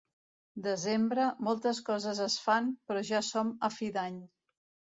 Desembre, moltes coses es fan, però ja som a fi d'any.